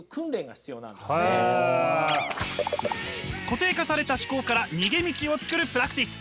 固定化された思考から逃げ道を作るプラクティス。